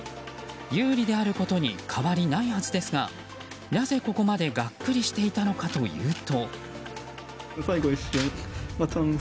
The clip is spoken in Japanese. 有利であることに変わりないはずですがなぜ、ここまでがっくりしていたのかというと。